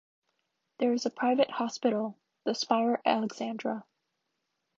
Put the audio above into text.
There is a private hospital, the Spire Alexandra.